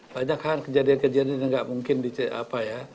banyak kan kejadian kejadian yang nggak mungkin di apa ya